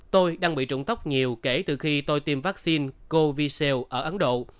tôi đang bị rụng tóc nhiều kể từ khi tôi tiêm vaccine covishield ở ấn độ